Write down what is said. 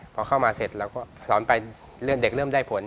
พอเข้ามาเสร็จเราก็สอนไปเรื่องเด็กเริ่มได้ผล